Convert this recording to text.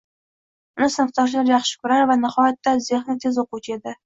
Uni sinfdoshlari yaxshi ko`rar va nihoyatda zehni tez o`quvchi edi